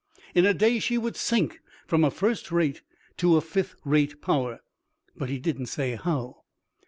In a day she would sink from a first rate to a fifth rate power." But he didn't say how.